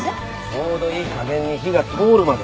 ちょうどいい加減に火が通るまで。